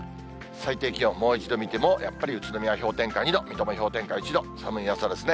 最低気温、もう一度見ても、やっぱり宇都宮は氷点下２度、水戸も氷点下１度、寒い朝ですね。